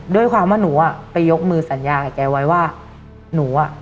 ด้วยความว่าหนูอ่ะไปยกมือสัญญากับแกไว้ว่าหนูอ่ะ